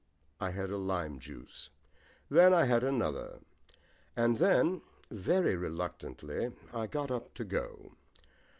I had a lime juice. Then I had another. And then, very reluctantly, I got up to go.